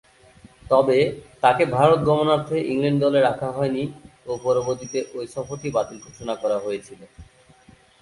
তবে, তাকে ভারত গমনার্থে ইংল্যান্ড দলে রাখা হয়নি ও পরবর্তীতে ঐ সফরটি বাতিল ঘোষণা করা হয়েছিল।